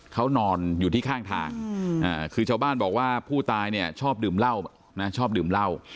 เขานอนอยู่ที่ข้างทางคือชาวบ้านบอกว่าผู้ตายเนี่ยชอบดื่มเหล้า